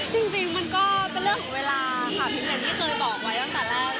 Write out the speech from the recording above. จริงมันก็เป็นเรื่องของเวลาค่ะพิมอย่างที่เคยบอกไว้ตั้งแต่แรก